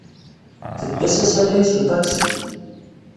Tedda s asalay s uṭaksi.